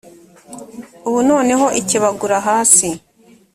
ubu noneho ikebagura hasi